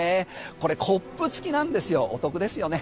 これコップ付きなんですよお得ですよね。